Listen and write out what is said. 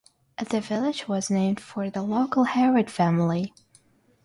The village was named for the local Harrod family.